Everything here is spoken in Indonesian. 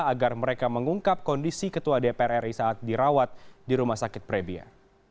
agar mereka mengungkap kondisi ketua dpr ri saat dirawat di rumah sakit prebia